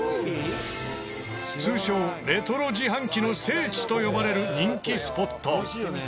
通称レトロ自販機の聖地と呼ばれる人気スポット。